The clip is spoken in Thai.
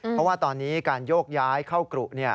เพราะว่าตอนนี้การโยกย้ายเข้ากรุ